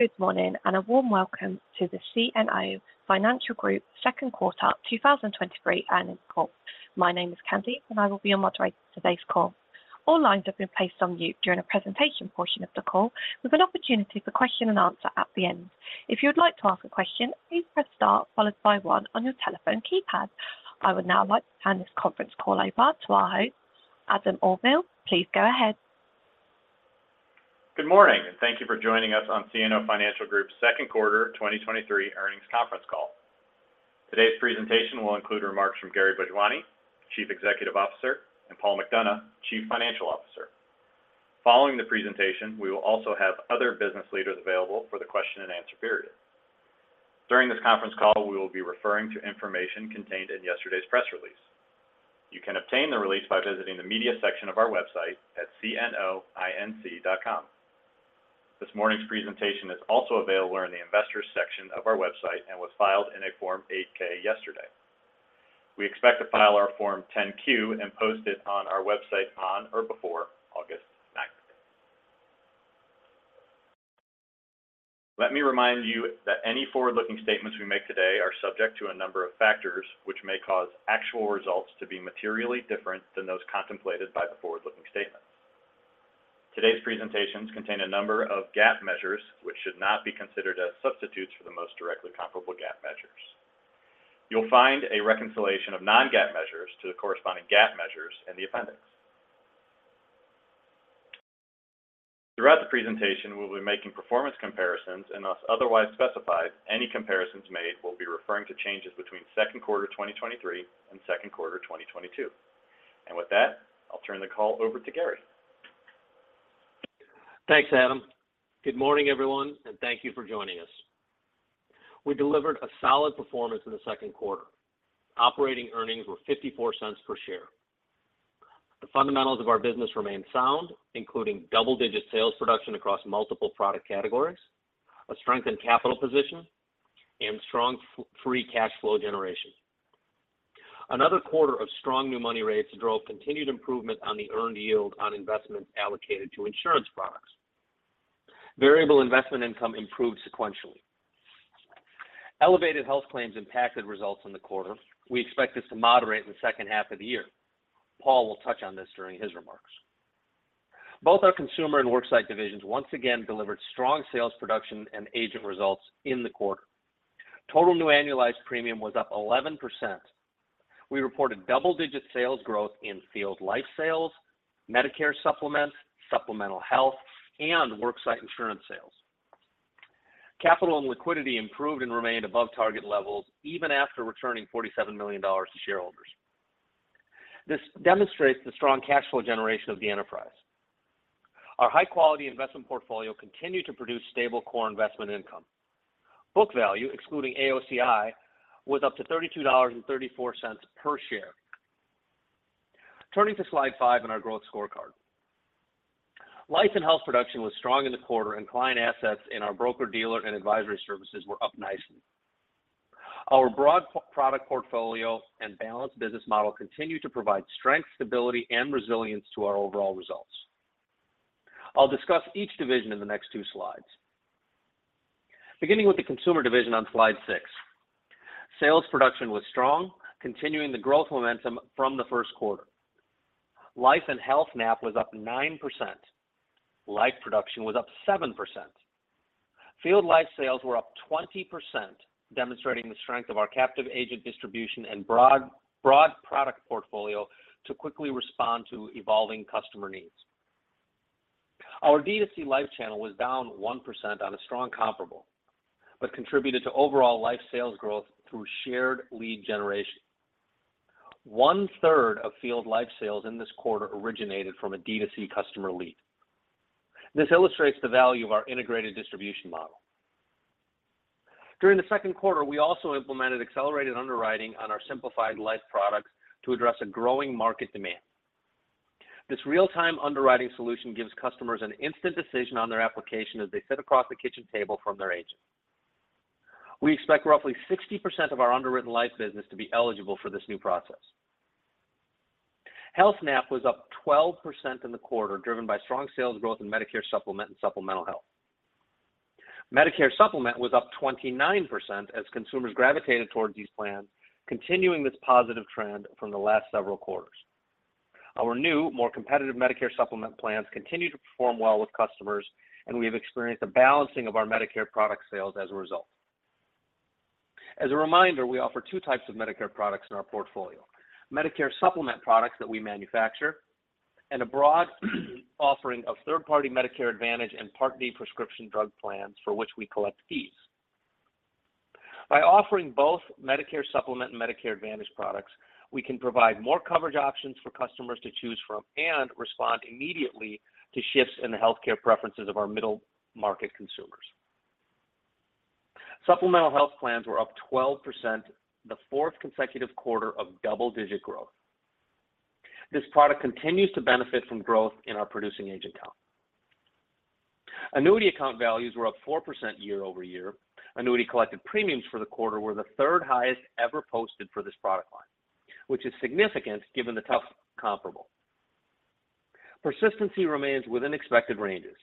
Good morning, and a warm welcome to the CNO Financial Group second quarter, 2023 earnings call. My name is Candy, and I will be your moderator for today's call. All lines have been placed on mute during the presentation portion of the call, with an opportunity for question and answer at the end. If you'd like to ask a question, please press star followed by one on your telephone keypad. I would now like to hand this conference call over to our host, Adam Auvil. Please go ahead. Good morning, thank you for joining us on CNO Financial Group's second quarter 2023 earnings conference call. Today's presentation will include remarks from Gary Bhojwani, Chief Executive Officer, and Paul McDonough, Chief Financial Officer. Following the presentation, we will also have other business leaders available for the question and answer period. During this conference call, we will be referring to information contained in yesterday's press release. You can obtain the release by visiting the Media section of our website at cnoinc.com. This morning's presentation is also available in the Investors section of our website and was filed in a Form 8-K yesterday. We expect to file our Form 10-Q and post it on our website on or before August 9th. Let me remind you that any forward-looking statements we make today are subject to a number of factors, which may cause actual results to be materially different than those contemplated by the forward-looking statements. Today's presentations contain a number of GAAP measures, which should not be considered as substitutes for the most directly comparable GAAP measures. You'll find a reconciliation of non-GAAP measures to the corresponding GAAP measures in the appendix. Throughout the presentation, we'll be making performance comparisons, unless otherwise specified, any comparisons made will be referring to changes between second quarter 2023 and second quarter 2022. With that, I'll turn the call over to Gary. Thanks, Adam. Good morning, everyone, and thank you for joining us. We delivered a solid performance in the second quarter. Operating earnings were $0.54 per share. The fundamentals of our business remain sound, including double-digit sales production across multiple product categories, a strengthened capital position, and strong free cash flow generation. Another quarter of strong new money rates drove continued improvement on the earned yield on investments allocated to insurance products. Variable investment income improved sequentially. Elevated health claims impacted results in the quarter. We expect this to moderate in the second half of the year. Paul will touch on this during his remarks. Both our consumer and worksite divisions once again delivered strong sales production and agent results in the quarter. Total new annualized premium was up 11%. We reported double-digit sales growth in field Life sales, Medicare Supplement, Supplemental health, and Worksite insurance sales. Capital and liquidity improved and remained above target levels even after returning $47 million to shareholders. This demonstrates the strong cash flow generation of the enterprise. Our high-quality investment portfolio continued to produce stable core investment income. Book value, excluding AOCI, was up to $32.34 per share. Turning to slide 5 in our growth scorecard. Life and Health production was strong in the quarter, and client assets in our broker-dealer and advisory services were up nicely. Our broad product portfolio and balanced business model continue to provide strength, stability, and resilience to our overall results. I'll discuss each division in the next 2 slides. Beginning with the consumer division on slide 6, sales production was strong, continuing the growth momentum from the first quarter. Life and Health NAP was up 9%. Life production was up 7%. Field Life sales were up 20%, demonstrating the strength of our captive agent distribution and broad, broad product portfolio to quickly respond to evolving customer needs. Our D2C Life channel was down 1% on a strong comparable, contributed to overall Life sales growth through shared lead generation. One-third of field Life sales in this quarter originated from a D2C customer lead. This illustrates the value of our integrated distribution model. During the second quarter, we also implemented accelerated underwriting on our simplified life products to address a growing market demand. This real-time underwriting solution gives customers an instant decision on their application as they sit across the kitchen table from their agent. We expect roughly 60% of our underwritten life business to be eligible for this new process. Health NAP was up 12% in the quarter, driven by strong sales growth in Medicare Supplement and Supplemental health. Medicare Supplement was up 29% as consumers gravitated towards these plans, continuing this positive trend from the last several quarters. Our new, more competitive Medicare Supplement plans continue to perform well with customers, and we have experienced a balancing of our Medicare product sales as a result. As a reminder, we offer two types of Medicare products in our portfolio: Medicare Supplement products that we manufacture, and a broad offering of third-party Medicare Advantage and Part D Prescription Drug Plans for which we collect fees. By offering both Medicare Supplement and Medicare Advantage products, we can provide more coverage options for customers to choose from and respond immediately to shifts in the healthcare preferences of our middle market consumers. Supplemental health plans were up 12%, the fourth consecutive quarter of double-digit growth. This product continues to benefit from growth in our producing agent count. Annuity account values were up 4% year-over-year. Annuity collected premiums for the quarter were the third highest ever posted for this product line, which is significant given the tough comparable. Persistency remains within expected ranges.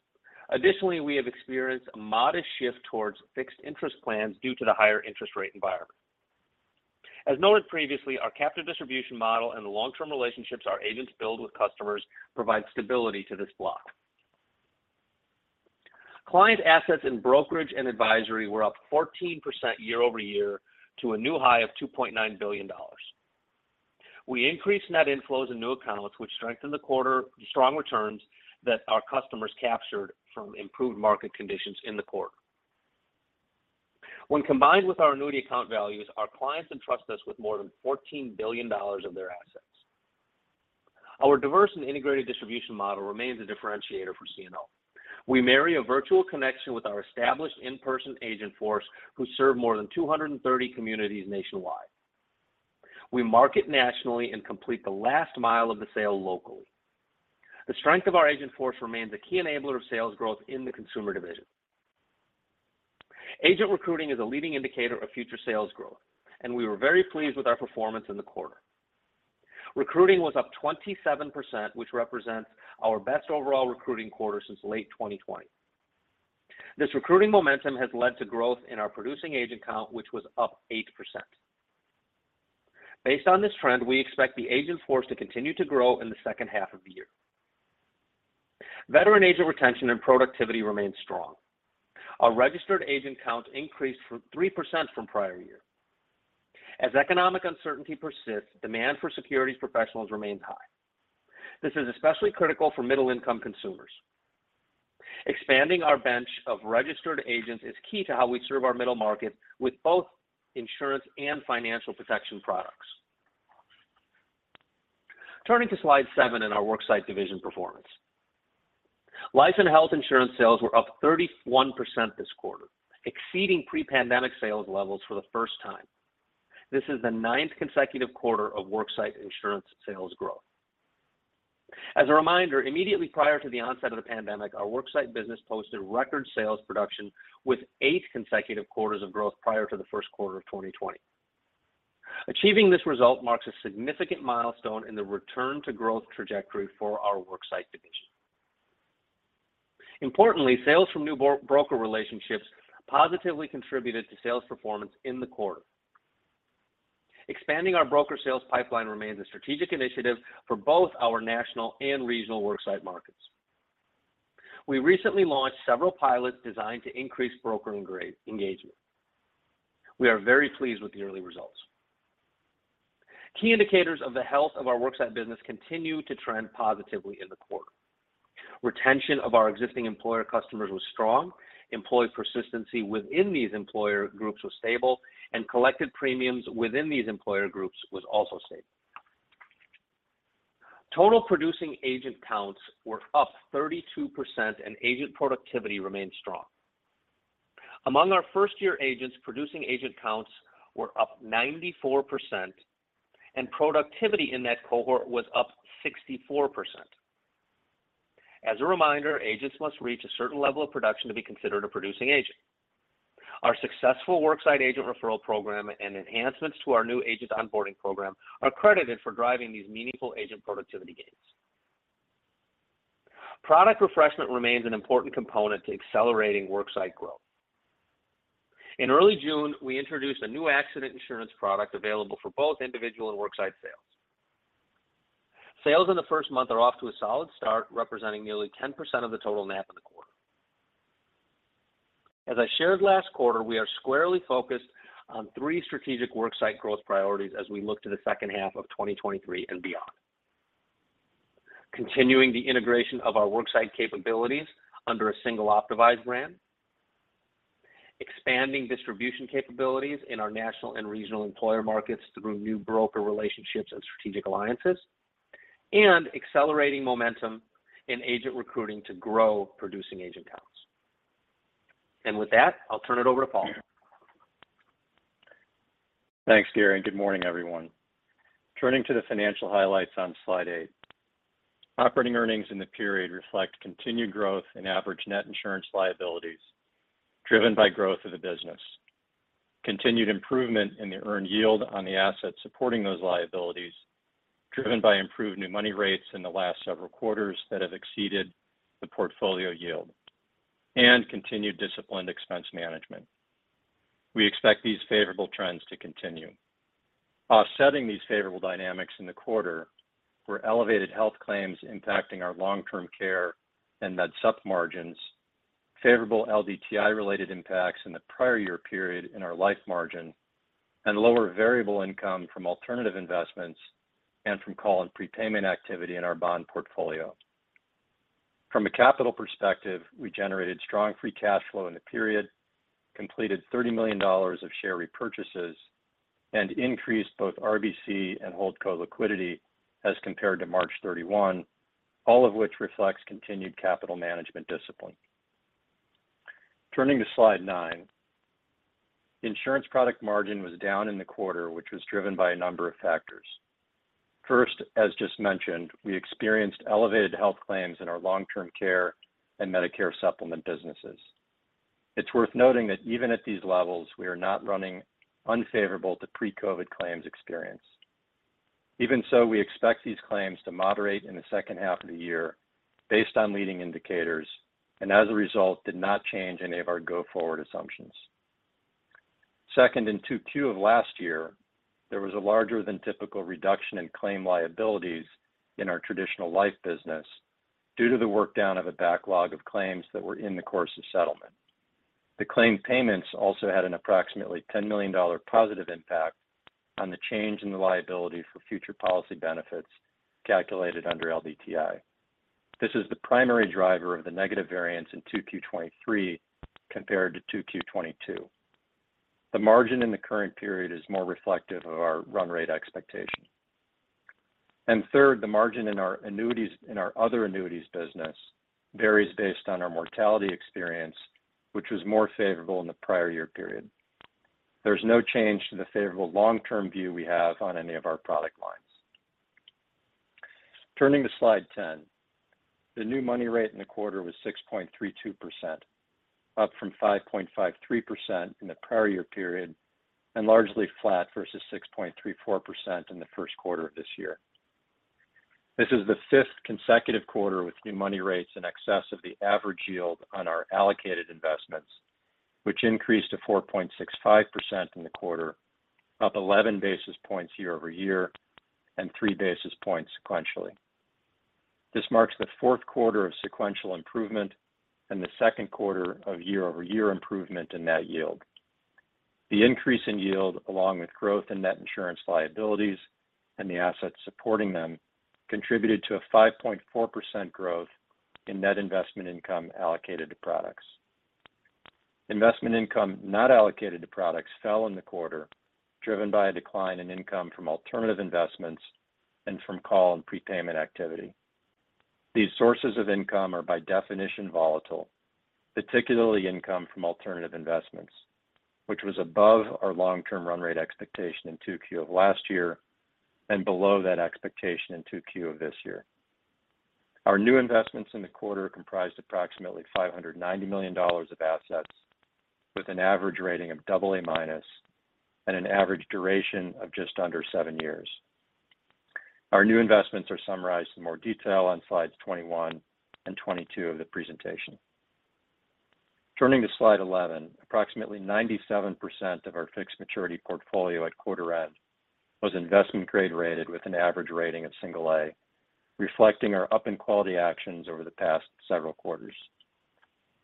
Additionally, we have experienced a modest shift towards fixed interest plans due to the higher interest rate environment. As noted previously, our captive distribution model and the long-term relationships our agents build with customers provide stability to this block. Client assets in brokerage and advisory were up 14% year-over-year to a new high of $2.9 billion. We increased net inflows and new accounts, which strengthened the quarter, the strong returns that our customers captured from improved market conditions in the quarter. When combined with our annuity account values, our clients entrust us with more than $14 billion of their assets. Our diverse and integrated distribution model remains a differentiator for CNO. We marry a virtual connection with our established in-person agent force, who serve more than 230 communities nationwide. We market nationally and complete the last mile of the sale locally. The strength of our agent force remains a key enabler of sales growth in the consumer division. Agent recruiting is a leading indicator of future sales growth, and we were very pleased with our performance in the quarter. Recruiting was up 27%, which represents our best overall recruiting quarter since late 2020. This recruiting momentum has led to growth in our producing agent count, which was up 8%. Based on this trend, we expect the agent force to continue to grow in the second half of the year. Veteran agent retention and productivity remains strong. Our registered agent count increased from 3% from prior year. As economic uncertainty persists, demand for securities professionals remains high. This is especially critical for middle-income consumers. Expanding our bench of registered agents is key to how we serve our middle market with both insurance and financial protection products. Turning to slide 7 in our Worksite Division performance. Life and health insurance sales were up 31% this quarter, exceeding pre-pandemic sales levels for the 1st time. This is the 9th consecutive quarter of Worksite insurance sales growth. As a reminder, immediately prior to the onset of the pandemic, our worksite business posted record sales production with eight consecutive quarters of growth prior to the first quarter of 2020. Achieving this result marks a significant milestone in the return to growth trajectory for our worksite division. Importantly, sales from new broker relationships positively contributed to sales performance in the quarter. Expanding our broker sales pipeline remains a strategic initiative for both our national and regional worksite markets. We recently launched several pilots designed to increase broker engagement. We are very pleased with the early results. Key indicators of the health of our worksite business continue to trend positively in the quarter. Retention of our existing employer customers was strong, employee persistency within these employer groups was stable, and collected premiums within these employer groups was also stable. Total producing agent counts were up 32%, and agent productivity remained strong. Among our first-year agents, producing agent counts were up 94%, and productivity in that cohort was up 64%. As a reminder, agents must reach a certain level of production to be considered a producing agent. Our successful Worksite agent referral program and enhancements to our new agent onboarding program are credited for driving these meaningful agent productivity gains. Product refreshment remains an important component to accelerating worksite growth. In early June, we introduced a new accident insurance product available for both individual and Worksite sales. Sales in the first month are off to a solid start, representing nearly 10% of the total NAP in the quarter. As I shared last quarter, we are squarely focused on three strategic worksite growth priorities as we look to the second half of 2023 and beyond. Continuing the integration of our worksite capabilities under a single Optavise brand, expanding distribution capabilities in our national and regional employer markets through new broker relationships and strategic alliances, and accelerating momentum in agent recruiting to grow producing agent counts. With that, I'll turn it over to Paul. Thanks, Gary, and good morning, everyone. Turning to the financial highlights on slide 8. Operating earnings in the period reflect continued growth in average net insurance liabilities, driven by growth of the business. Continued improvement in the earned yield on the assets supporting those liabilities, driven by improved new money rates in the last several quarters that have exceeded the portfolio yield, and continued disciplined expense management. We expect these favorable trends to continue. Offsetting these favorable dynamics in the quarter were elevated health claims impacting our long-term care and Med Sup margins, favorable LDTI-related impacts in the prior year period in our life margin, and lower variable income from alternative investments and from call and prepayment activity in our bond portfolio. From a capital perspective, we generated strong free cash flow in the period, completed $30 million of share repurchases, and increased both RBC and Holdco liquidity as compared to March 31, all of which reflects continued capital management discipline. Turning to slide 9, Insurance Product Margin was down in the quarter, which was driven by a number of factors. First, as just mentioned, we experienced elevated health claims in our long-term care and Medicare Supplement businesses. It's worth noting that even at these levels, we are not running unfavorable to pre-COVID claims experience. Even so, we expect these claims to moderate in the second half of the year based on leading indicators, and as a result, did not change any of our go-forward assumptions. Second, in 2Q of last year, there was a larger than typical reduction in claim liabilities in our traditional Life business due to the work down of a backlog of claims that were in the course of settlement. The claim payments also had an approximately $10 million positive impact on the change in the liability for future policy benefits calculated under LDTI. This is the primary driver of the negative variance in 2Q 2023 compared to 2Q 2022. The margin in the current period is more reflective of our run rate expectation. Third, the margin in our annuities, in our other annuities business varies based on our mortality experience, which was more favorable in the prior year period. There's no change to the favorable long-term view we have on any of our product lines. Turning to slide 10. The new money rate in the quarter was 6.32%, up from 5.53% in the prior-year period, and largely flat versus 6.34% in the first quarter of this year. This is the fifth consecutive quarter with new money rates in excess of the average yield on our allocated investments, which increased to 4.65% in the quarter, up 11 basis points year-over-year and 3 basis points sequentially. This marks the fourth quarter of sequential improvement and the second quarter of year-over-year improvement in that yield. The increase in yield, along with growth in net insurance liabilities and the assets supporting them, contributed to a 5.4% growth in net investment income allocated to products. Investment income not allocated to products fell in the quarter, driven by a decline in income from alternative investments and from call and prepayment activity. These sources of income are by definition volatile, particularly income from alternative investments, which was above our long-term run rate expectation in 2Q of last year and below that expectation in 2Q of this year. Our new investments in the quarter comprised approximately $590 million of assets, with an average rating of AA- and an average duration of just under 7 years. Our new investments are summarized in more detail on slides 21 and 22 of the presentation. Turning to slide 11, approximately 97% of our fixed maturity portfolio at quarter end was investment grade rated with an average rating of Single-A, reflecting our up in quality actions over the past several quarters.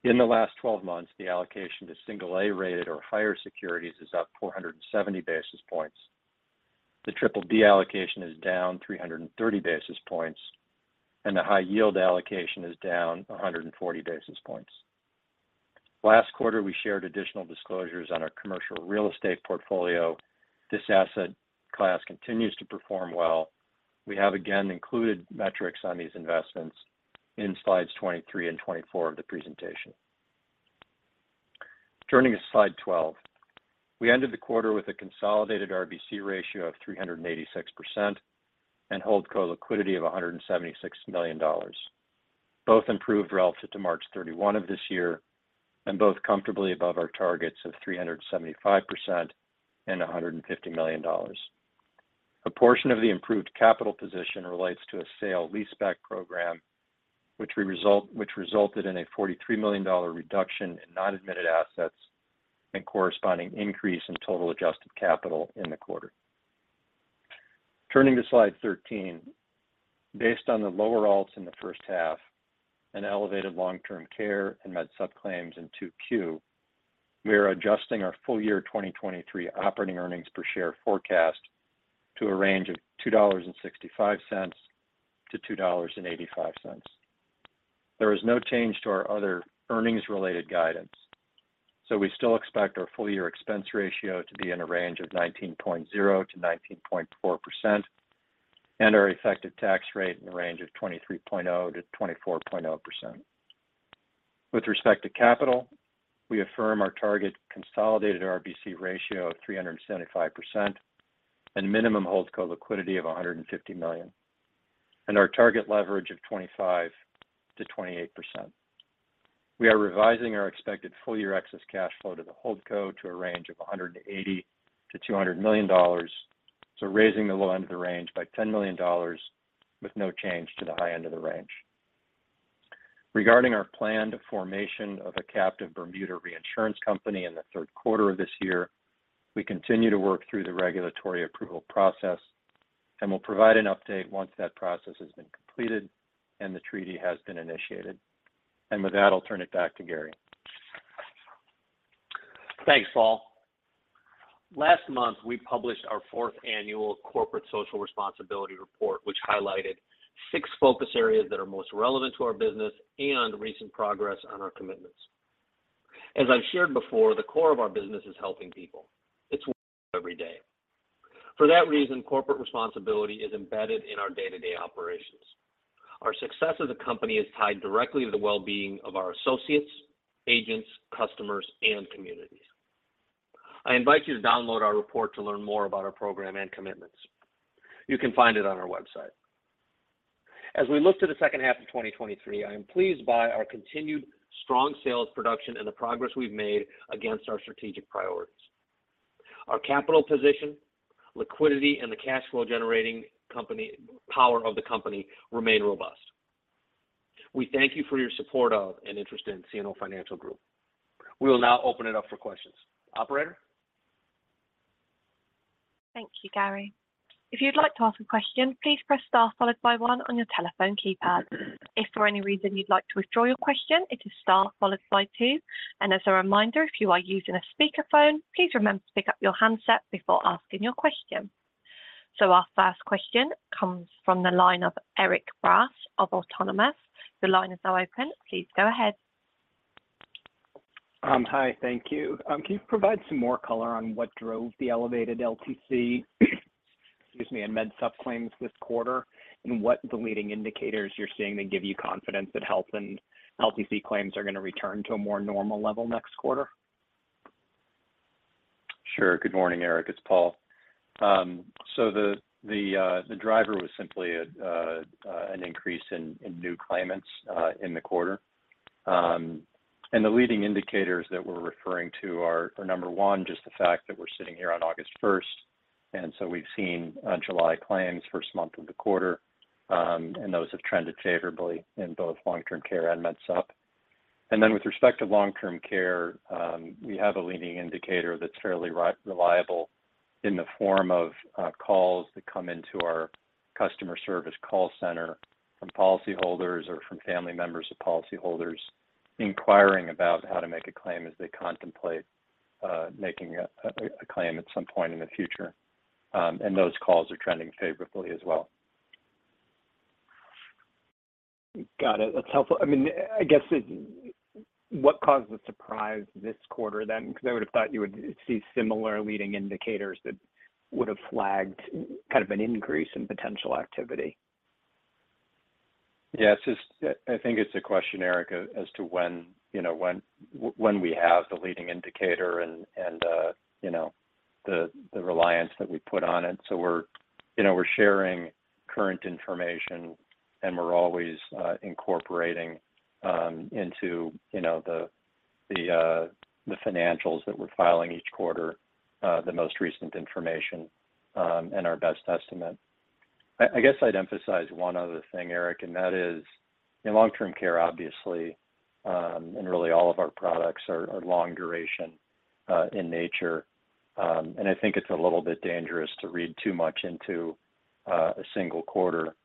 In the last 12 months, the allocation to Single-A-rated or higher securities is up 470 basis points. The BBB allocation is down 330 basis points, and the high yield allocation is down 140 basis points. Last quarter, we shared additional disclosures on our commercial real estate portfolio. This asset class continues to perform well. We have again included metrics on these investments in slides 23 and 24 of the presentation. Turning to slide 12. We ended the quarter with a consolidated RBC ratio of 386% and Holdco liquidity of $176 million. Both improved relative to March 31 of this year, and both comfortably above our targets of 375% and $150 million. A portion of the improved capital position relates to a sale-leaseback program, which resulted in a $43 million reduction in non-admitted assets and corresponding increase in total adjusted capital in the quarter. Turning to slide 13. Based on the lower alts in the first half and elevated long-term care and Med Supp claims in 2Q, we are adjusting our full year 2023 operating earnings per share forecast to a range of $2.65-$2.85. There is no change to our other earnings-related guidance. We still expect our full year expense ratio to be in a range of 19.0%-19.4% and our effective tax rate in the range of 23.0%-24.0%. With respect to capital, we affirm our target consolidated RBC ratio of 375% and minimum Holdco liquidity of $150 million, and our target leverage of 25%-28%. We are revising our expected full year excess cash flow to the Holdco to a range of $180 million-$200 million, so raising the low end of the range by $10 million with no change to the high end of the range. Regarding our planned formation of a captive Bermuda reinsurance company in the third quarter of this year, we continue to work through the regulatory approval process and will provide an update once that process has been completed and the treaty has been initiated. With that, I'll turn it back to Gary. Thanks, Paul. Last month, we published our fourth annual Corporate Social Responsibility Report, which highlighted six focus areas that are most relevant to our business and recent progress on our commitments. As I've shared before, the core of our business is helping people. It's [what we do] every day. For that reason, corporate responsibility is embedded in our day-to-day operations. Our success as a company is tied directly to the well-being of our associates, agents, customers, and communities. I invite you to download our report to learn more about our program and commitments. You can find it on our website. As we look to the second half of 2023, I am pleased by our continued strong sales production and the progress we've made against our strategic priorities. Our capital position, liquidity, and the cash flow generating company, power of the company remain robust. We thank you for your support of and interest in CNO Financial Group. We will now open it up for questions. Operator? Thank you, Gary. If you'd like to ask a question, please press star followed by one on your telephone keypad. If for any reason you'd like to withdraw your question, it is star followed by two. As a reminder, if you are using a speakerphone, please remember to pick up your handset before asking your question. Our first question comes from the line of Erik Bass of Autonomous. Your line is now open. Please go ahead. Hi. Thank you. Can you provide some more color on what drove the elevated LTC, excuse me, and Med Supp claims this quarter, and what the leading indicators you're seeing that give you confidence that health and LTC claims are going to return to a more normal level next quarter? Sure. Good morning, Eric. It's Paul. The driver was simply an increase in new claimants in the quarter. The leading indicators that we're referring to are, are, number one, just the fact that we're sitting here on August first, we've seen July claims, first month of the quarter, and those have trended favorably in both long-term care and Med Supp. Then with respect to long-term care, we have a leading indicator that's fairly reliable in the form of calls that come into our customer service call center from policyholders or from family members of policyholders inquiring about how to make a claim as they contemplate making a claim at some point in the future. Those calls are trending favorably as well. Got it. That's helpful. I mean, I guess what caused the surprise this quarter then? Because I would have thought you would see similar leading indicators that would have flagged kind of an increase in potential activity. Yeah, it's just, I think it's a question, Eric, as to when, you know, when when we have the leading indicator and, and, you know, the reliance that we put on it. We're, you know, we're sharing current information, and we're always incorporating, into, you know, the financials that we're filing each quarter, the most recent information and our best estimate. I guess I'd emphasize one other thing, Eric, and that is, in long-term care, obviously, and really all of our products are long duration in nature. I think it's a little bit dangerous to read too much into a single quarter.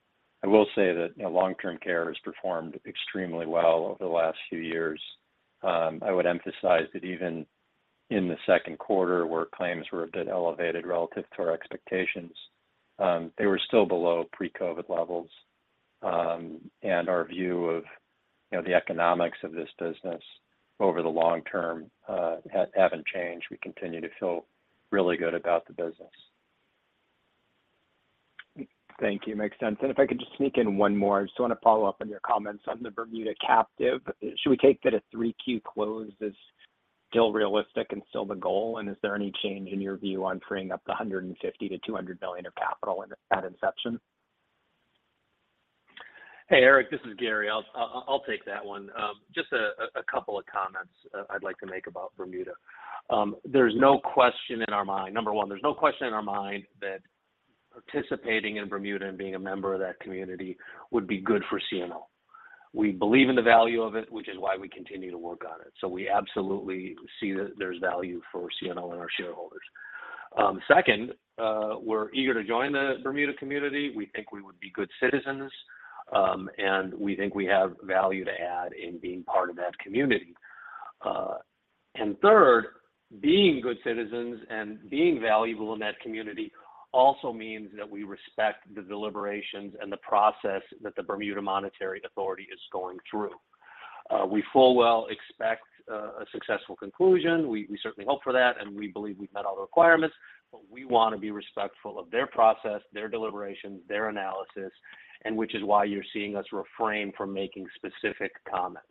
I will say that, you know, long-term care has performed extremely well over the last few years. I would emphasize that even in the second quarter, where claims were a bit elevated relative to our expectations, they were still below pre-COVID levels. Our view of, you know, the economics of this business over the long term, haven't changed. We continue to feel really good about the business. Thank you. Makes sense. If I could just sneak in one more. I just want to follow up on your comments on the Bermuda captive. Should we take that a 3Q close is still realistic and still the goal? Is there any change in your view on bringing up the $150 billion-$200 billion of capital at inception? Hey, Eric, this is Gary. I'll take that one. Just a couple of comments I'd like to make about Bermuda. There's no question in our mind... Number one, there's no question in our mind that participating in Bermuda and being a member of that community would be good for CNO. We believe in the value of it, which is why we continue to work on it. We absolutely see that there's value for CNO and our shareholders. Second, we're eager to join the Bermuda community. We think we would be good citizens, and we think we have value to add in being part of that community. Third, being good citizens and being valuable in that community also means that we respect the deliberations and the process that the Bermuda Monetary Authority is going through. We full well expect a, a successful conclusion. We, we certainly hope for that, and we believe we've met all the requirements, but we want to be respectful of their process, their deliberations, their analysis, and which is why you're seeing us refrain from making specific comments.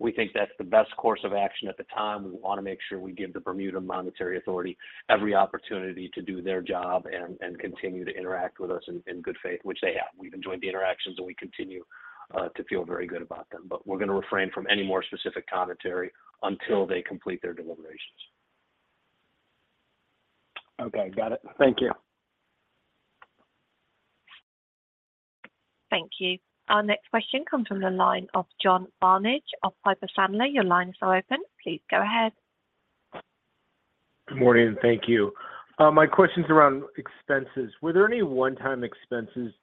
We think that's the best course of action at the time. We want to make sure we give the Bermuda Monetary Authority every opportunity to do their job and, and continue to interact with us in, in good faith, which they have. We've enjoyed the interactions, and we continue to feel very good about them. We're going to refrain from any more specific commentary until they complete their deliberations. Okay. Got it. Thank you. Thank you. Our next question comes from the line of John Barnidge of Piper Sandler. Your line is now open. Please go ahead. Good morning, and thank you. My question's around expenses. Were there any one-time expenses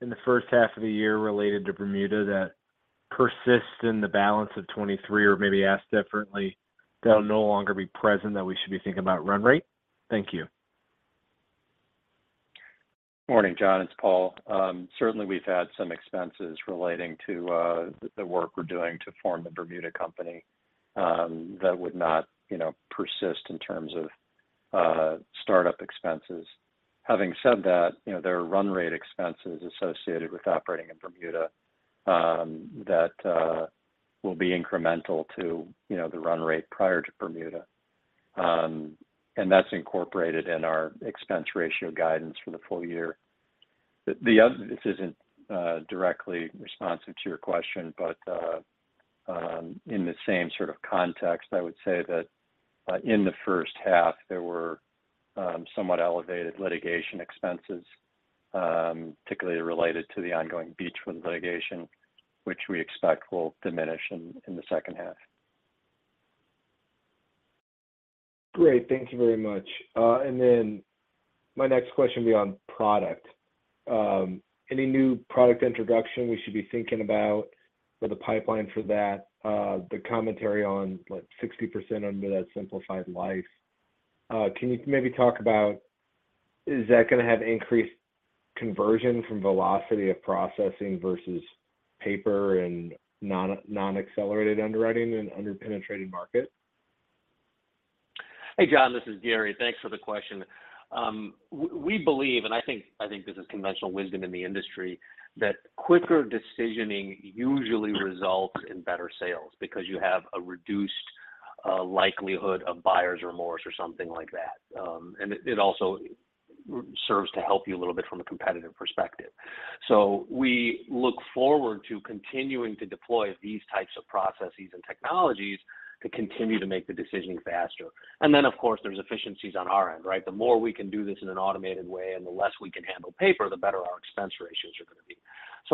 in the first half of the year related to Bermuda that persist in the balance of 2023, or maybe asked differently, that will no longer be present, that we should be thinking about run rate? Thank you. Morning, John, it's Paul. Certainly, we've had some expenses relating to the work we're doing to form the Bermuda company that would not, you know, persist in terms of startup expenses. Having said that, you know, there are run rate expenses associated with operating in Bermuda that will be incremental to, you know, the run rate prior to Bermuda. And that's incorporated in our expense ratio guidance for the full year. This isn't directly responsive to your question, but in the same sort of context, I would say that in the first half, somewhat elevated litigation expenses particularly related to the ongoing Beechwood litigation, which we expect will diminish in the second half. Great. Thank you very much. My next question will be on product. Any new product introduction we should be thinking about or the pipeline for that? The commentary on, like, 60% under that simplified life, can you maybe talk about, is that gonna have increased conversion from velocity of processing versus paper and non-accelerated underwriting in an underpenetrated market? Hey, John, this is Gary. Thanks for the question. We believe, and I think, I think this is conventional wisdom in the industry, that quicker decisioning usually results in better sales because you have a reduced likelihood of buyer's remorse or something like that. It also serves to help you a little bit from a competitive perspective. We look forward to continuing to deploy these types of processes and technologies to continue to make the decisioning faster. Then, of course, there's efficiencies on our end, right? The more we can do this in an automated way, and the less we can handle paper, the better our expense ratios are going to be.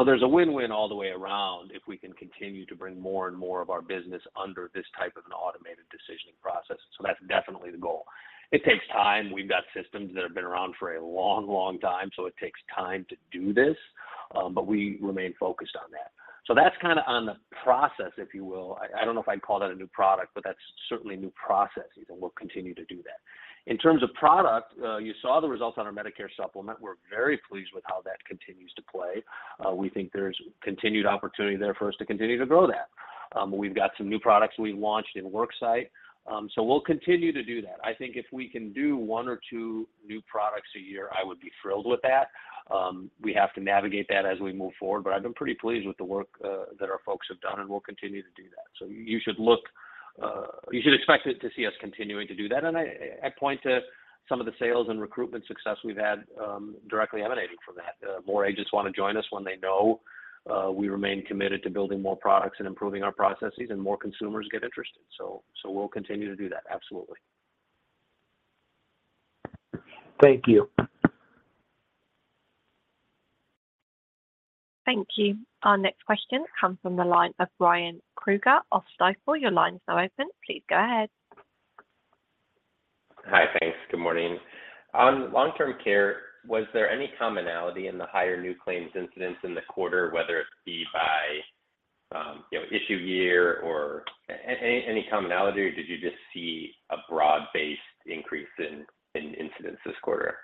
There's a win-win all the way around if we can continue to bring more and more of our business under this type of an automated decisioning process. That's definitely the goal. It takes time. We've got systems that have been around for a long, long time, so it takes time to do this, but we remain focused on that. That's kind of on the process, if you will. I, I don't know if I'd call that a new product, but that's certainly new processes, and we'll continue to do that. In terms of product, you saw the results on our Medicare Supplement. We're very pleased with how that continues to play. We think there's continued opportunity there for us to continue to grow that. We've got some new products we launched in worksite, so we'll continue to do that. I think if we can do one or two new products a year, I would be thrilled with that. We have to navigate that as we move forward, but I've been pretty pleased with the work that our folks have done, and we'll continue to do that. You should look, you should expect it to see us continuing to do that. I, I point to some of the sales and recruitment success we've had directly emanating from that. More agents want to join us when they know we remain committed to building more products and improving our processes, and more consumers get interested. We'll continue to do that. Absolutely. Thank you. Thank you. Our next question comes from the line of Ryan Krueger of Stifel. Your line is now open. Please go ahead. Hi. Thanks. Good morning. On long-term care, was there any commonality in the higher new claims incidents in the quarter, whether it be by, you know, issue year or any, any commonality, or did you just see a broad-based increase in, in incidents this quarter?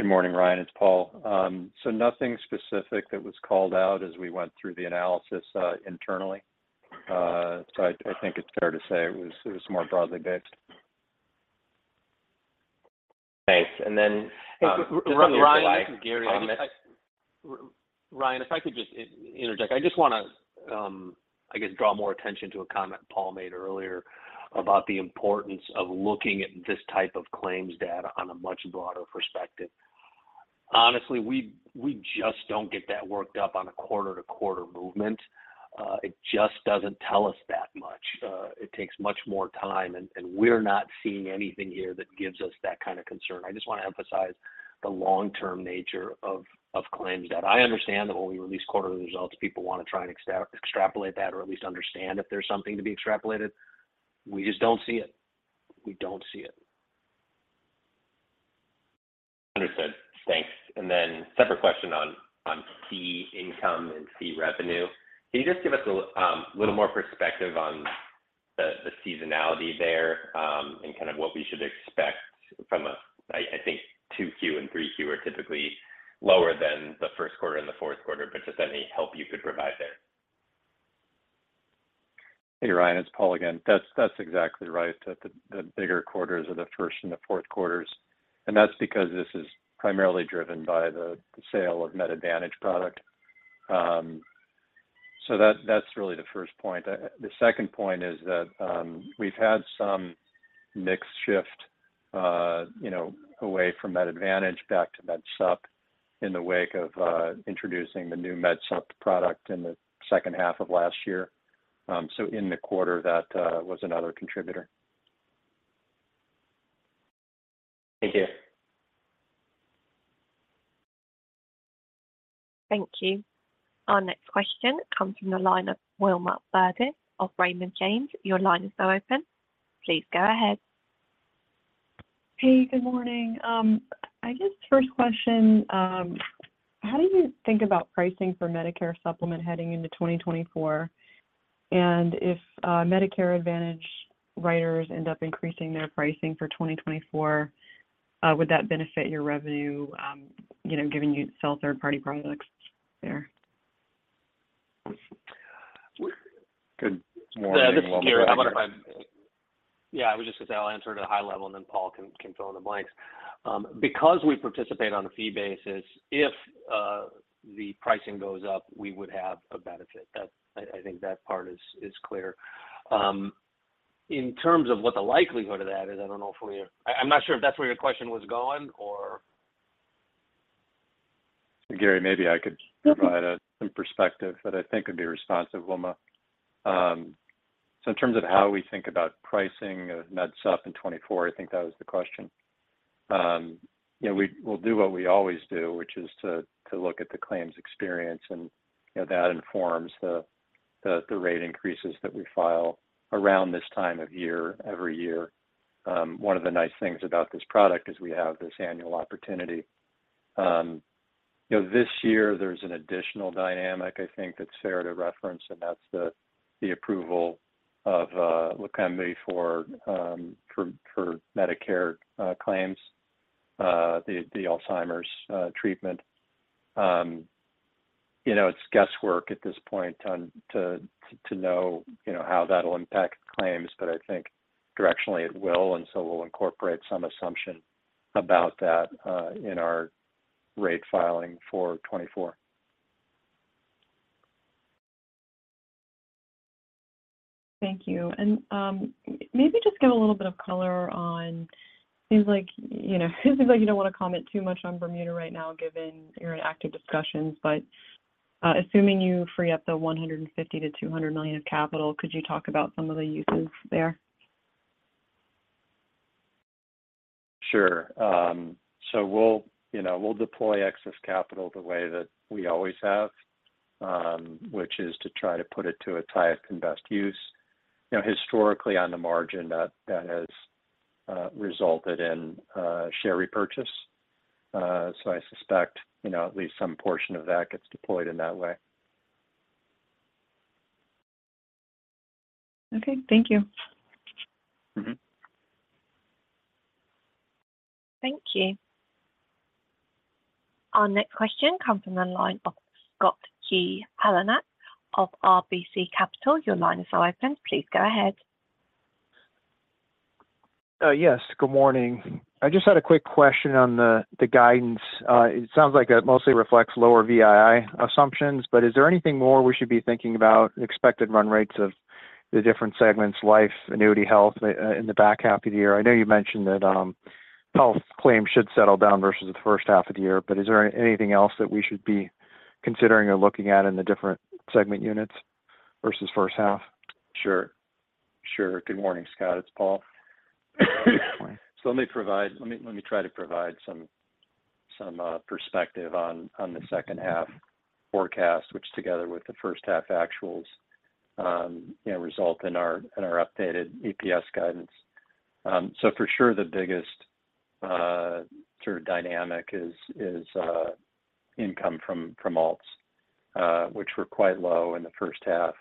Good morning, Ryan. It's Paul. Nothing specific that was called out as we went through the analysis, internally. I, I think it's fair to say it was, it was more broadly based. Thanks. Ryan, this is Gary. Ryan, if I could just interject. I just want to, I guess, draw more attention to a comment Paul made earlier about the importance of looking at this type of claims data on a much broader perspective. Honestly, we, we just don't get that worked up on a quarter-to-quarter movement. It just doesn't tell us that much. It takes much more time, and, and we're not seeing anything here that gives us that kind of concern. I just want to emphasize the long-term nature of, of claims data. I understand that when we release quarterly results, people want to try and extrapolate that or at least understand if there's something to be extrapolated. We just don't see it. We don't see it. Understood. Thanks. Then separate question on, on fee income and fee revenue. Can you just give us a little more perspective on the seasonality there, and kind of what we should expect from a... I, I think 2Q and 3Q are typically lower than the first quarter and the fourth quarter, but just any help you could provide there? Hey, Ryan, it's Paul again. That's exactly right, that the bigger quarters are the first and the fourth quarters, and that's because this is primarily driven by the sale of Medicare Advantage product. That's really the first point. The second point is that we've had some mix shift, you know, away from Med Advantage back to Med Supp in the wake of introducing the new Med Supp product in the second half of last year. In the quarter, that was another contributor. Thank you. Thank you. Our next question comes from the line of Wilma Burdis of Raymond James. Your line is now open. Please go ahead. Hey, good morning. I guess first question, how do you think about pricing for Medicare Supplement heading into 2024? If Medicare Advantage writers end up increasing their pricing for 2024, would that benefit your revenue, you know, given you sell third-party products there? Good morning, Wilma Yeah, this is Gary. I want to-... Yeah, I would just say I'll answer at a high level, and then Paul can, can fill in the blanks. Because we participate on a fee basis, if, the pricing goes up, we would have a benefit. That, I, I think that part is, is clear. In terms of what the likelihood of that is, I don't know if I, I'm not sure if that's where your question was going or? Gary, maybe I could provide some perspective that I think would be responsive, Wilma. In terms of how we think about pricing of Med Supp in 2024, I think that was the question. You know, we'll do what we always do, which is to, to look at the claims experience, and, you know, that informs the, the, the rate increases that we file around this time of year every year. One of the nice things about this product is we have this annual opportunity. You know, this year there's an additional dynamic I think that's fair to reference, and that's the, the approval of Leqembi for, for, for Medicare claims, the, the Alzheimer's treatment. You know, it's guesswork at this point on to, to know, you know, how that'll impact claims, but I think directionally, it will, and so we'll incorporate some assumption about that, in our rate filing for 2024. Thank you. Maybe just give a little bit of color on... Seems like, you know, seems like you don't want to comment too much on Bermuda right now, given you're in active discussions, but, assuming you free up the $150 million-$200 million of capital, could you talk about some of the uses there? Sure. We'll, you know, we'll deploy excess capital the way that we always have, which is to try to put it to its highest and best use. You know, historically, on the margin, that, that has, resulted in, share repurchase. I suspect, you know, at least some portion of that gets deployed in that way. Okay. Thank you. Mm-hmm. Thank you. Our next question comes from the line of Scott G Heleniak of RBC Capital. Your line is now open. Please go ahead. Yes, good morning. I just had a quick question on the, the guidance. It sounds like it mostly reflects lower VII assumptions, but is there anything more we should be thinking about, expected run rates of the different segments, life, annuity, health, in the back half of the year? I know you mentioned that, health claims should settle down versus the first half of the year, but is there anything else that we should be considering or looking at in the different segment units versus first half? Sure. Sure. Good morning, Scott. It's Paul. Let me, let me try to provide some, some perspective on, on the second half forecast, which together with the first half actuals, you know, result in our, in our updated EPS guidance. For sure, the biggest sort of dynamic is, is income from, from alts, which were quite low in the first half.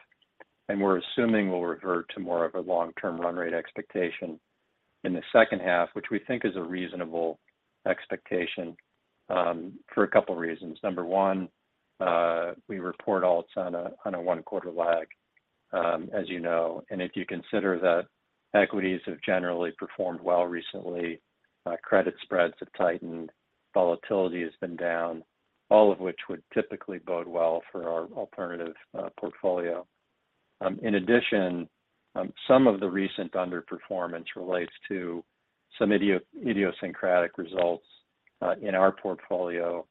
We're assuming we'll revert to more of a long-term run rate expectation in the second half, which we think is a reasonable expectation for a couple reasons. Number one, we report alts on a, on a one-quarter lag, as you know, and if you consider that equities have generally performed well recently, credit spreads have tightened, volatility has been down, all of which would typically bode well for our alternative portfolio. In addition, some of the recent underperformance relates to some idio- idiosyncratic results in our portfolio,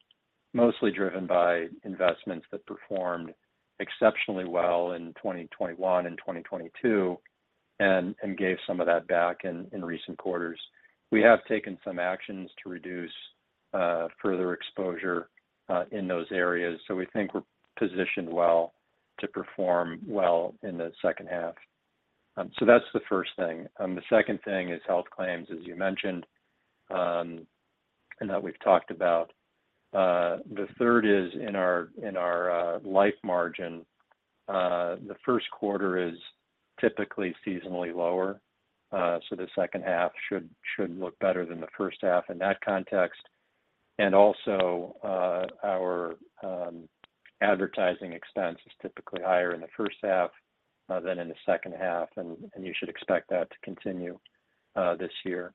mostly driven by investments that performed exceptionally well in 2021 and 2022 and, and gave some of that back in, in recent quarters. We have taken some actions to reduce further exposure in those areas, so we think we're positioned well to perform well in the second half. That's the first thing. The second thing is health claims, as you mentioned, and that we've talked about. The third is in our, in our Life margin, the first quarter is typically seasonally lower, the second half should, should look better than the first half in that context. Also, our advertising expense is typically higher in the first half than in the second half, and you should expect that to continue this year.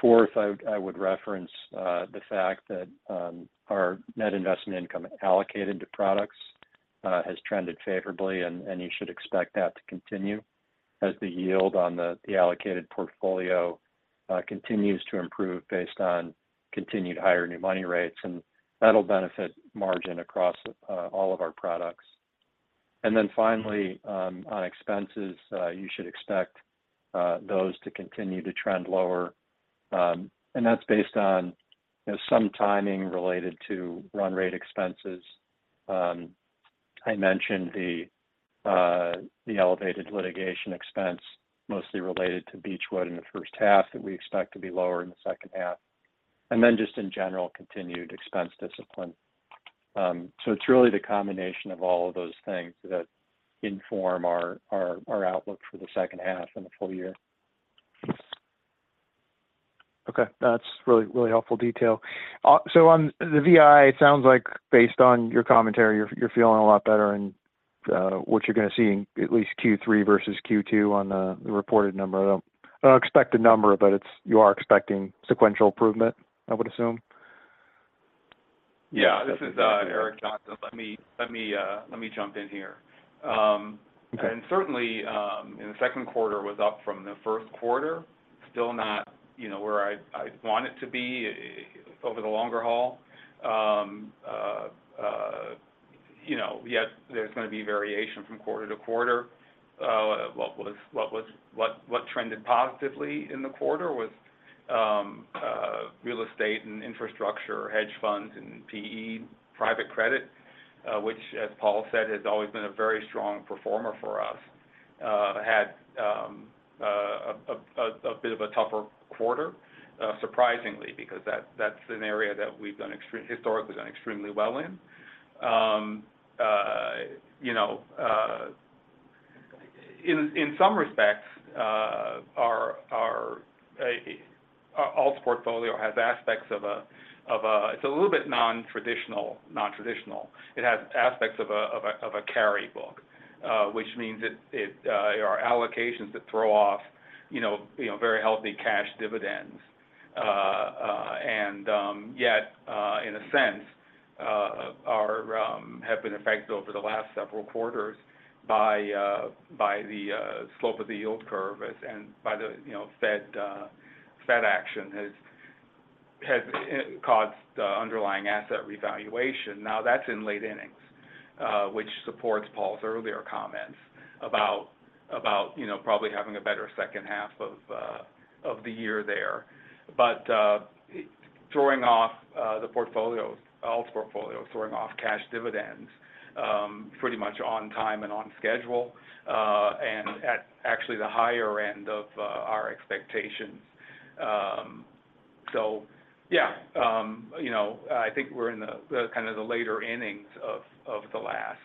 Fourth, I would reference the fact that our net investment income allocated to products has trended favorably, and you should expect that to continue as the yield on the allocated portfolio continues to improve based on continued higher new money rates, and that'll benefit margin across all of our products. Finally, on expenses, you should expect those to continue to trend lower. That's based on, you know, some timing related to run rate expenses. I mentioned the elevated litigation expense, mostly related to Beechwood in the first half, that we expect to be lower in the second half, and then just in general, continued expense discipline. It's really the combination of all of those things that inform our, our, our outlook for the second half and the full year. Okay, that's really, really helpful detail. On the VI, it sounds like based on your commentary, you're feeling a lot better in what you're going to see in at least Q3 versus Q2 on the reported number. I don't expect a number, but you are expecting sequential improvement, I would assume? Yeah. This is Eric Johnson. Let me, let me, let me jump in here. Okay. Certainly, in the second quarter was up from the first quarter, still not, you know, where I, I'd want it to be over the longer haul. You know, yet there's going to be variation from quarter to quarter. What trended positively in the quarter was real estate and infrastructure, hedge funds and PE private credit, which, as Paul said, has always been a very strong performer for us, had a bit of a tougher quarter, surprisingly, because that, that's an area that we've done historically done extremely well in. You know, in some respects, our alt's portfolio has aspects of a... It's a little bit nontraditional, nontraditional. It has aspects of a, of a, of a carry book, which means it, it, our allocations that throw off, you know, you know, very healthy cash dividends. Yet, in a sense, are have been affected over the last several quarters by by the slope of the yield curve as and by the, you know, Fed Fed action has has caused underlying asset revaluation. Now, that's in late innings, which supports Paul's earlier comments about, about, you know, probably having a better second half of of the year there. Throwing off the portfolio, alt's portfolio, throwing off cash dividends, pretty much on time and on schedule, and at actually the higher end of our expectations. Yeah, you know, I think we're in the, the kind of the later innings of, of the last,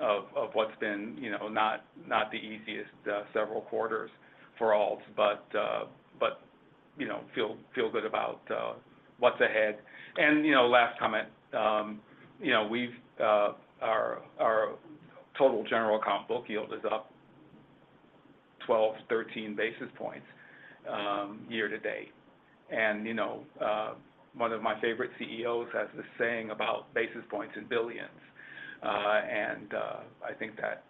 of, of what's been, you know, not, not the easiest, several quarters for Alt, but, you know, feel, feel good about, what's ahead. You know, last comment, you know, we've, our, our total general account book yield is up 12, 13 basis points, year to date. You know, one of my favorite CEOs has this saying about basis points and billions. I think that,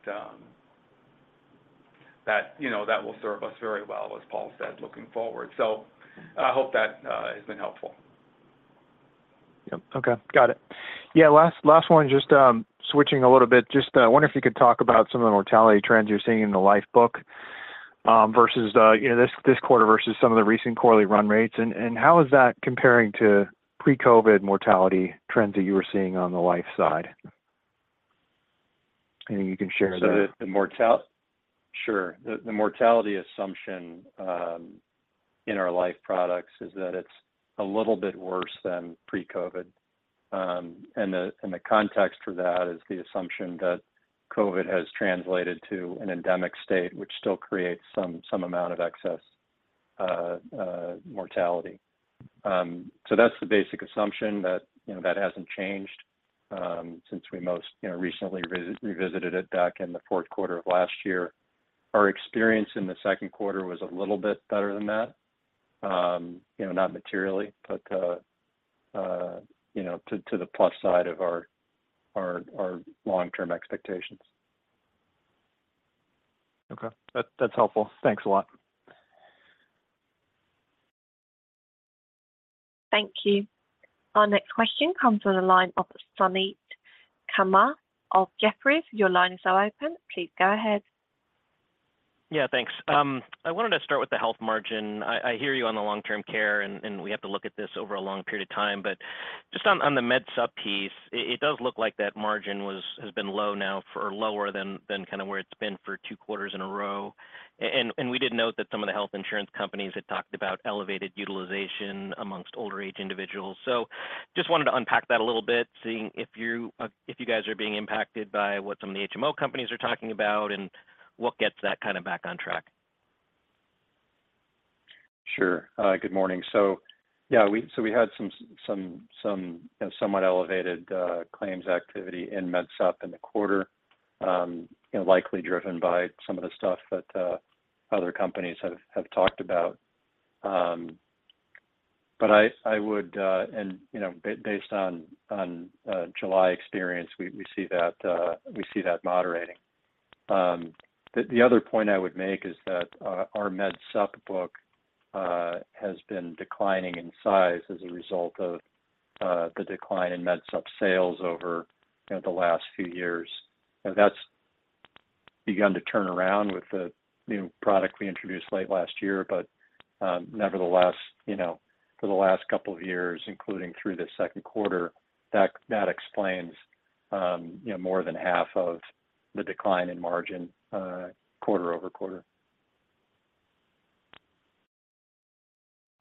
that, you know, that will serve us very well, as Paul said, looking forward. I hope that has been helpful. Yep. Okay. Got it. Yeah, last, last one, just switching a little bit. Just I wonder if you could talk about some of the mortality trends you're seeing in the Life book, versus, you know, this, this quarter versus some of the recent quarterly run rates. How is that comparing to pre-COVID mortality trends that you were seeing on the Life side? And you can share the- Sure. The mortality assumption in our Life products is that it's a little bit worse than pre-COVID. The context for that is the assumption that COVID has translated to an endemic state, which still creates some, some amount of excess mortality. That's the basic assumption that, you know, that hasn't changed since we most, you know, recently revisited it back in the fourth quarter of last year. Our experience in the second quarter was a little bit better than that. You know, not materially, but, you know, to the plus side of our long-term expectations. Okay. That, that's helpful. Thanks a lot. Thank you. Our next question comes from the line of Suneet Kamath of Jefferies. Your line is now open. Please go ahead. Yeah, thanks. I wanted to start with the health margin. I, I hear you on the long-term care, and, and we have to look at this over a long period of time. Just on, on the Med Supp piece, it, it does look like that margin was-- has been low now for lower than, than kind of where it's been for two quarters in a row. And we did note that some of the health insurance companies had talked about elevated utilization amongst older age individuals. Just wanted to unpack that a little bit, seeing if you, if you guys are being impacted by what some of the HMO companies are talking about, and what gets that kind of back on track? Sure. Good morning. Yeah, we had some, you know, somewhat elevated claims activity in Med Supp in the quarter, you know, likely driven by some of the stuff that other companies have talked about. I would, and, you know, based on July experience, we see that moderating. The other point I would make is that our Med Supp book has been declining in size as a result of the decline in Med Supp sales over, you know, the last few years. That's begun to turn around with the new product we introduced late last year. Nevertheless, you know, for the last two years, including through this second quarter, that, that explains, you know, more than 50% of the decline in margin, quarter-over-quarter.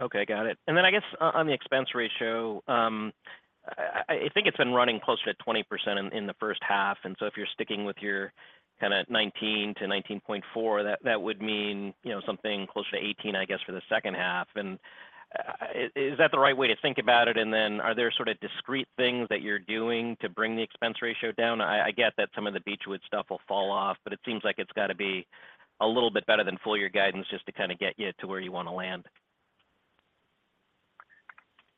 Okay, got it. I guess on the expense ratio, I think it's been running closer to 20% in the first half. If you're sticking with your kind of 19%-19.4%, that would mean, you know, something closer to 18%, I guess, for the second half. Is that the right way to think about it? Are there sort of discrete things that you're doing to bring the expense ratio down? I get that some of the Beechwood stuff will fall off, but it seems like it's got to be a little bit better than full year guidance just to kind of get you to where you want to land.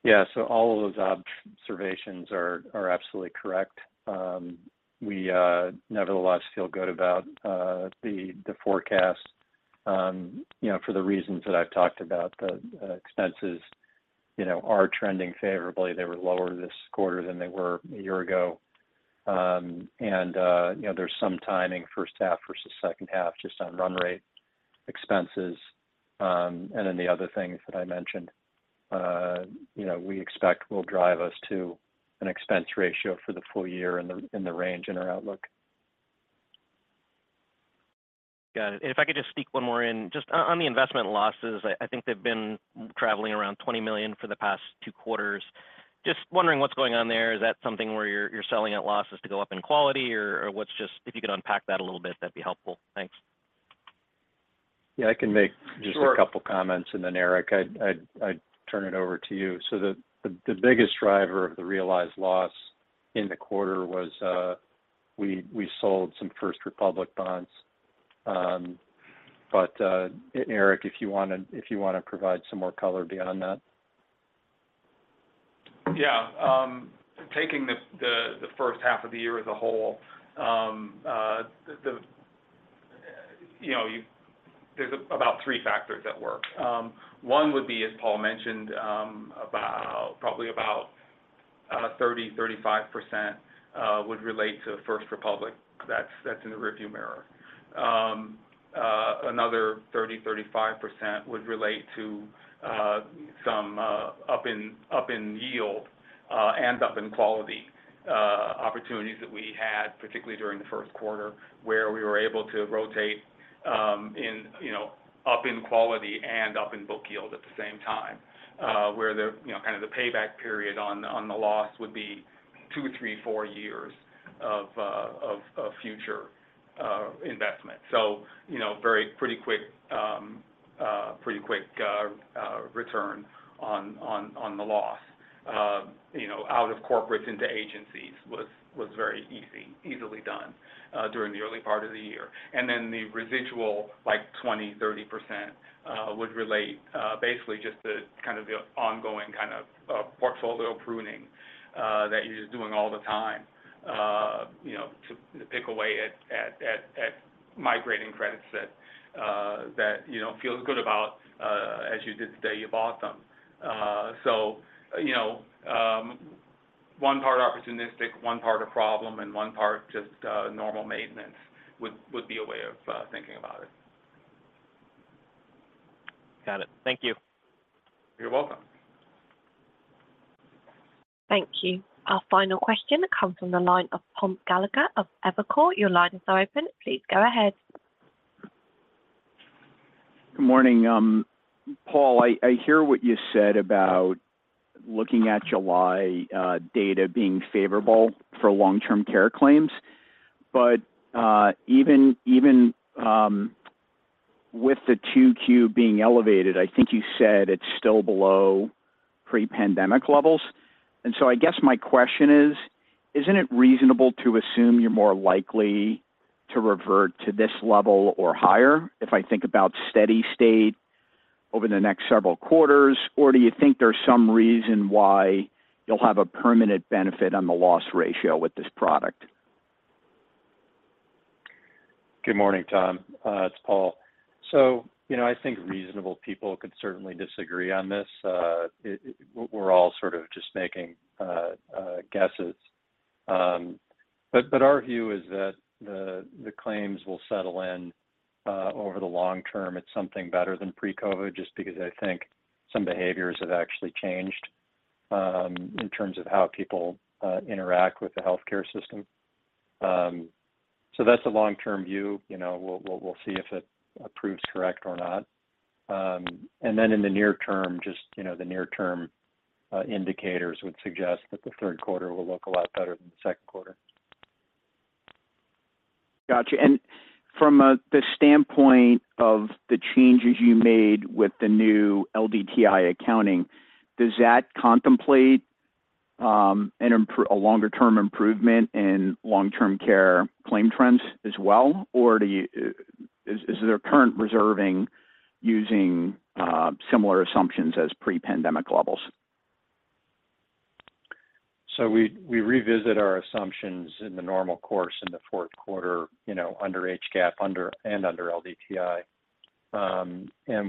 Yeah. All of those observations are, are absolutely correct. We, nevertheless feel good about the, the forecast, you know, for the reasons that I've talked about. The expenses, you know, are trending favorably. They were lower this quarter than they were a year ago. You know, there's some timing, first half versus second half, just on run rate expenses. Then the other things that I mentioned, you know, we expect will drive us to an expense ratio for the full year in the, in the range in our outlook. Got it. If I could just sneak one more in. Just on, on the investment losses, I, I think they've been traveling around $20 million for the past two quarters. Just wondering what's going on there. Is that something where you're, you're selling at losses to go up in quality or, or what's just-- If you could unpack that a little bit, that'd be helpful. Thanks? Yeah, I can Sure just a couple comments, and then, Eric, I'd, I'd, I'd turn it over to you. The, the, the biggest driver of the realized loss in the quarter was, we, we sold some First Republic bonds. Eric, if you want to, if you want to provide some more color beyond that. Yeah. Taking the, the, the first half of the year as a whole, the, the, you know, there's about three factors at work. One would be, as Paul mentioned, about, probably about 30%-35%, would relate to First Republic. That's, that's in the rearview mirror. Another 30%-35% would relate to some up in, up in yield, and up in quality opportunities that we had, particularly during the first quarter, where we were able to rotate, in, you know, up in quality and up in book yield at the same time. Where the, you know, kind of the payback period on, on the loss would be two, three, four years of future investment. You know, very pretty quick, pretty quick return on, on, on the loss. You know, out of corporates into agencies was very easily done during the early part of the year. The residual, like 20%-30%, would relate basically just to kind of the ongoing kind of portfolio pruning that you're just doing all the time, you know, to pick away at migrating credits that you don't feel as good about as you did the day you bought them. You know, one part opportunistic, one part a problem, and one part just normal maintenance would be a way of thinking about it. Got it. Thank you. You're welcome. Thank you. Our final question comes from the line of Tom Gallagher of Evercore. Your line is now open. Please go ahead. Good morning. Paul, I, I hear what you said about looking at July data being favorable for long-term care claims. Even, even, with the 2Q being elevated, I think you said it's still below pre-pandemic levels. So I guess my question is: Isn't it reasonable to assume you're more likely to revert to this level or higher, if I think about steady state over the next several quarters? Do you think there's some reason why you'll have a permanent benefit on the loss ratio with this product? Good morning, Tom. It's Paul. You know, I think reasonable people could certainly disagree on this. It, we're all sort of just making guesses. Our view is that the claims will settle in over the long term at something better than pre-COVID, just because I think some behaviors have actually changed in terms of how people interact with the healthcare system. So that's the long-term view. You know, we'll, we'll, we'll see if it proves correct or not. Then in the near term, just, you know, the near-term indicators would suggest that the third quarter will look a lot better than the second quarter. Gotcha. From the standpoint of the changes you made with the new LDTI accounting, does that contemplate a longer-term improvement in long-term care claim trends as well? Is their current reserving using similar assumptions as pre-pandemic levels? We, we revisit our assumptions in the normal course in the fourth quarter, you know, under HCAP, under, and under LDTI.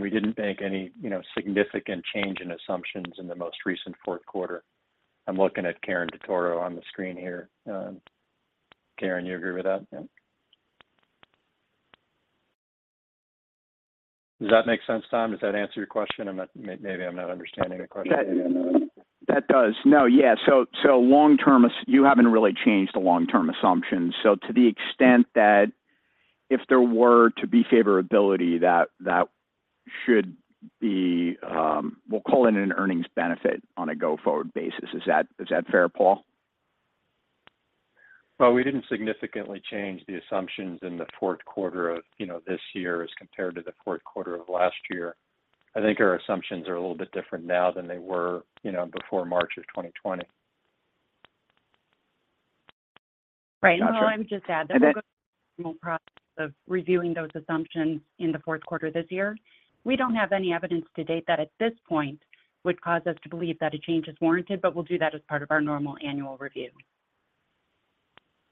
We didn't make any, you know, significant change in assumptions in the most recent fourth quarter. I'm looking at Karen DeToro on the screen here. Karen, you agree with that? Yeah. Does that make sense, Tom? Does that answer your question? Maybe I'm not understanding the question. I don't know. That, that does. No, yeah. So long term, you haven't really changed the long-term assumptions. To the extent that if there were to be favorability, that, that should be, we'll call it an earnings benefit on a go-forward basis. Is that, is that fair, Paul? Well, we didn't significantly change the assumptions in the fourth quarter of, you know, this year as compared to the fourth quarter of last year. I think our assumptions are a little bit different now than they were, you know, before March of 2020. Right. Got you. I would just add that we'll go through the normal process of reviewing those assumptions in the fourth quarter this year. We don't have any evidence to date that at this point would cause us to believe that a change is warranted. We'll do that as part of our normal annual review.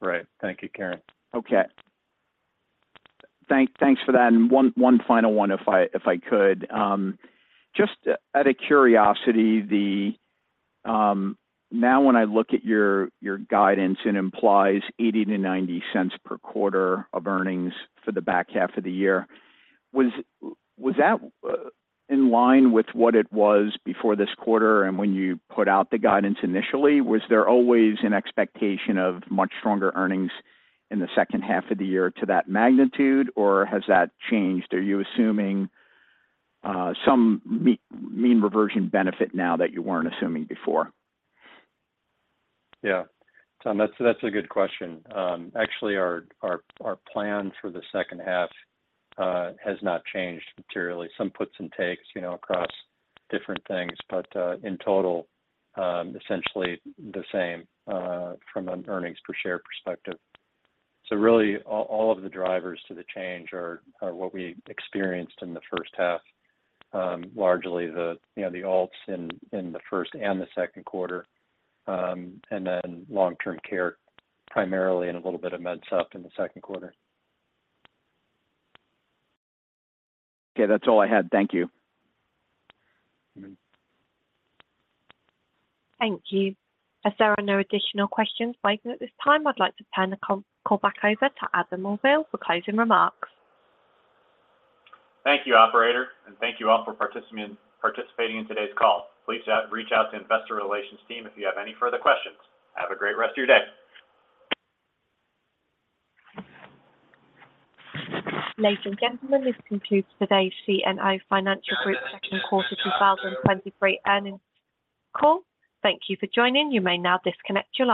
Right. Thank you, Karen. Okay. Thanks, thanks for that, one, one final one, if I, if I could. Just out of curiosity, now, when I look at your guidance, it implies $0.80-$0.90 per quarter of earnings for the back half of the year. Was that in line with what it was before this quarter when you put out the guidance initially? Was there always an expectation of much stronger earnings in the second half of the year to that magnitude, or has that changed? Are you assuming some mean reversion benefit now that you weren't assuming before? Yeah. Tom, that's, that's a good question. Actually, our, our, our plan for the second half has not changed materially. Some puts and takes, you know, across different things, but in total, essentially the same from an earnings per share perspective. Really, all, all of the drivers to the change are, are what we experienced in the first half. Largely the, you know, the alts in, in the first and the second quarter, and then long-term care, primarily, and a little bit of Med Supp in the second quarter. Okay, that's all I had. Thank you. Mm-hmm. Thank you. As there are no additional questions waiting at this time, I'd like to turn the call back over to Adam Auvil for closing remarks. Thank you, operator, thank you all for participating in today's call. Please reach out to investor relations team if you have any further questions. Have a great rest of your day. Ladies and gentlemen, this concludes today's CNO Financial Group second quarter 2023 earnings call. Thank you for joining. You may now disconnect your line.